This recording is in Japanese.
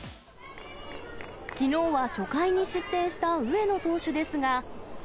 きのうは初回に失点した上野投手ですが。